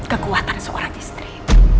kekuatan seorang istri